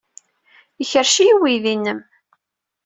Ikerrec-iyi uydi-nnem.